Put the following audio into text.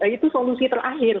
itu solusi terakhir